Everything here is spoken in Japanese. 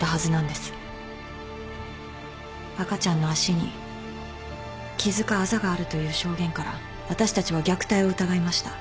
赤ちゃんの脚に傷かあざがあるという証言から私たちは虐待を疑いました。